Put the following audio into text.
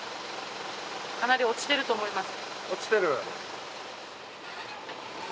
かなり落ちてると思います。